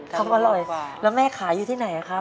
ทำอร่อยแล้วแม่ขายอยู่ที่ไหนครับ